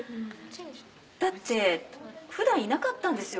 だって普段いなかったんですよ